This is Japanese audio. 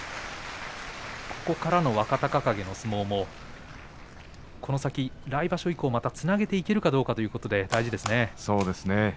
ここからの若隆景の相撲もこの先、来場所以降またつなげていけるかどうかというのも大事ですね。